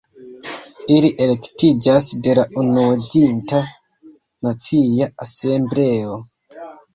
Ili elektiĝas de la Unuiĝinta Nacia Asembleo.